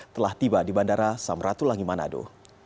telah tiba di bandara samratulangi manado